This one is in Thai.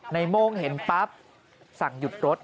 ในโม่งเห็นปั๊บสั่งหยุดรถ